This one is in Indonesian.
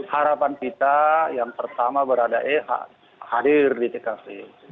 harapan kita yang pertama berada e hadir di tkp